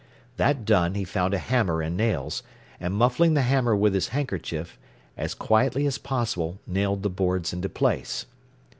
That done, he found a hammer and nails, and muffling the hammer with his handkerchief, as quietly as possible nailed the boards into place.